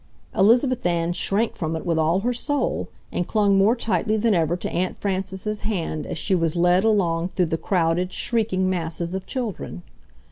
Elizabeth Ann shrank from it with all her soul, and clung more tightly than ever to Aunt Frances's hand as she was led along through the crowded, shrieking masses of children.